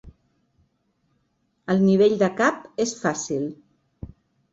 El nivell de cap és fàcil.